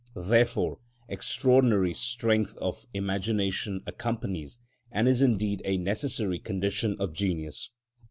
Therefore extraordinary strength of imagination accompanies, and is indeed a necessary condition of genius.